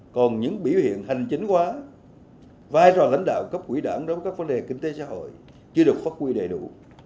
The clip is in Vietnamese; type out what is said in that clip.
còn những biểu hiện hành chính quá vai trò lãnh đạo cấp quỹ đảng đối với các vấn đề kinh tế xã hội chưa được phát quy đầy đủ